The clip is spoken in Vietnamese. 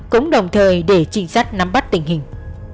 cũng đồng thời để trinh sát nắm bắt tình hình